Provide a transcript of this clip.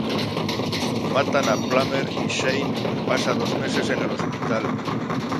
Matan a Plummer y Shane pasa dos meses en el hospital.